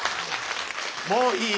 もういいよ！